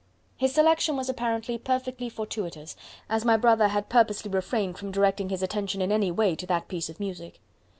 His selection was apparently perfectly fortuitous, as my brother had purposely refrained from directing his attention in any way to that piece of music.